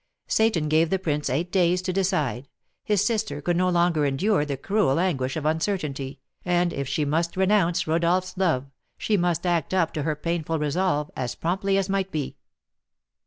Seyton gave the prince eight days to decide; his sister could not longer endure the cruel anguish of uncertainty, and, if she must renounce Rodolph's love, she must act up to her painful resolve as promptly as might be.